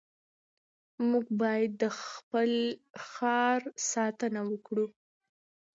موږ باید د خپل ښار ساتنه وکړو.